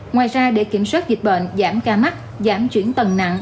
ngoài ra để kiểm soát dịch bệnh giảm ca mắc giảm chuyển tầng nặng